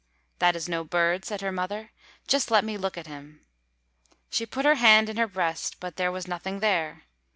"That is no bird," said her mother; "just let me look at him." She put her hand in her breast, but there was nothing there.